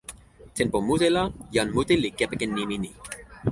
tenpo mute la, jan mute li kepeken nimi ni.